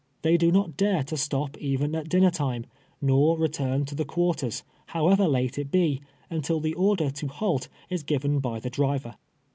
They do not dare to stop even at dinner time, nor retm n to the cpiarters, however late it be, until the order to halt is given by the di iver.